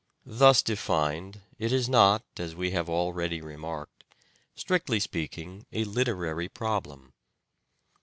Thus defined, it is not, as we have already remarked, strictly speaking a literary problem.